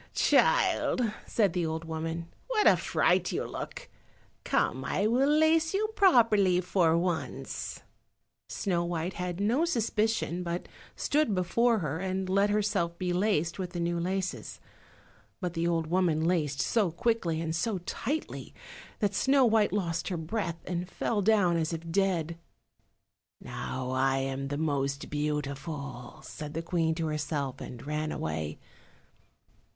"Child," said the old woman, "what a fright you look; come, I will lace you properly for once." Snow white had no suspicion, but stood before her, and let herself be laced with the new laces. But the old woman laced so quickly and so tightly that Snow white lost her breath and fell down as if dead. "Now I am the most beautiful," said the Queen to herself, and ran away.